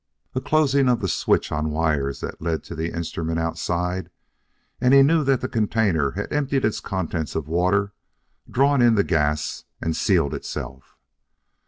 A closing of the switch on wires that led to the instrument outside, and he knew that the container had emptied its contents of water, drawn in the gas and sealed itself.